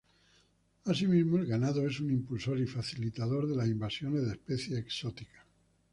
Asimismo, el ganado es un impulsor y facilitador de las invasiones de especies exóticas.